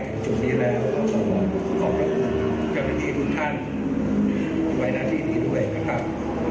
ถึงจุดนี้แล้วขอบคุณจากทุกท่านไว้นาทีดีด้วยนะครับ